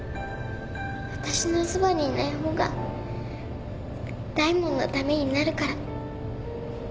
わたしのそばにいない方が大門のためになるから。